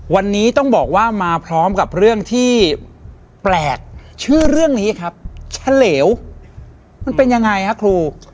วันนี้ต้องบอกว่ามาพร้อมกับเรื่องที่แปลกชื่อเรื่องนี้ครับเฉลวมันเป็นยังไงฮะครู